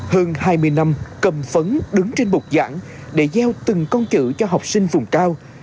hơn hai mươi năm cầm phấn đứng trên bục giảng để gieo từng con chữ cho học sinh vùng cao